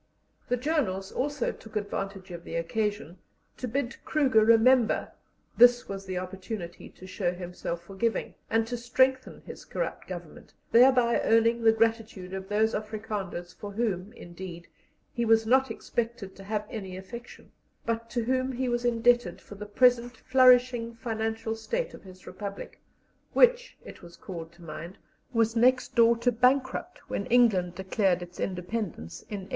The journals also took advantage of the occasion to bid Kruger remember this was the opportunity to show himself forgiving, and to strengthen his corrupt Government, thereby earning the gratitude of those Afrikanders, for whom, indeed, he was not expected to have any affection, but to whom he was indebted for the present flourishing financial state of his republic, which, it was called to mind, was next door to bankrupt when England declared its independence in 1884.